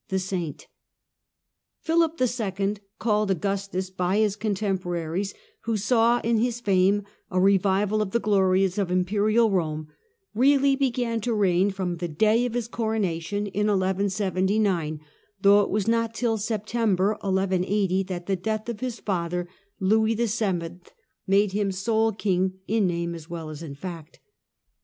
the " Saint." Philip II., called "Augustus" by his contemporaries, who saw in his fame a revival of the glories of imperial Rome, really began to reign from the day of his corona tion in 1179, though it was not till September 1180 that the death of his father, Louis VIL, made him sole king in name as well as in fact.